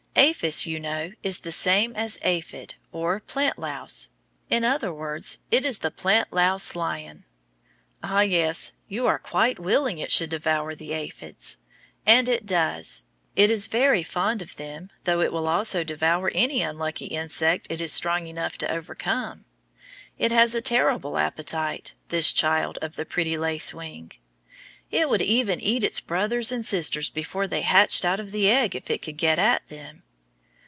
Aphis, you know, is the same as aphid, or plant louse. In other words it is the plant louse lion. Ah, yes; you are quite willing it should devour the aphids. And it does. It is very fond of them, though it will also devour any unlucky insect it is strong enough to overcome. It has a terrible appetite, this child of the pretty lacewing. It would even eat its brothers and sisters before they hatched out of the egg if it could get at them.